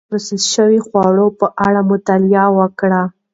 ما د پروسس شوو خوړو په اړه مطالعه وکړه.